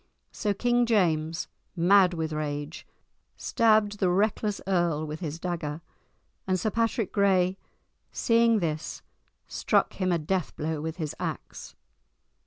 So King James, mad with rage, stabbed the reckless earl with his dagger, and Sir Patrick Gray, seeing this, struck him a death blow with his axe.